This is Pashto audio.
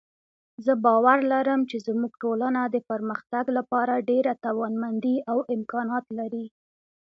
زه باور لرم چې زموږ ټولنه د پرمختګ لپاره ډېره توانمندۍ او امکانات لري